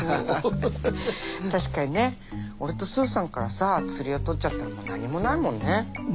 確かにね俺とスーさんからさ釣りを取っちゃったらもう何もないもんね。